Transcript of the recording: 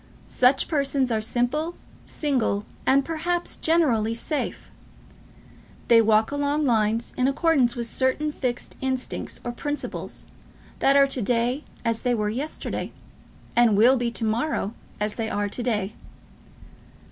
Such persons are simple, single, and, perhaps, generally, safe. They walk along lines in accordance with certain fixed instincts or principles, and are to day as they were yesterday, and will be to morrow as they are to day.